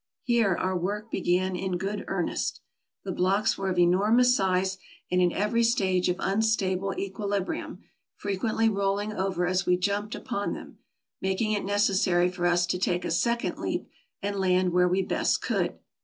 Here our work began in good earnest. The blocks v/ere of enormous size, and in every stage of unstable equi librium, frequently rolling over as we jumped upon them, making it necessary for us to take a second leap and land where we best could.